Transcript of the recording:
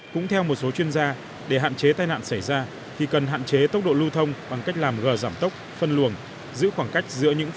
cũng theo một số chuyên gia để hạn chế tai nạn xảy ra thì cần hạn chế tốc độ lưu thông bằng cách làm gờ giảm tốc phân luồng giữ khoảng cách giữa những xe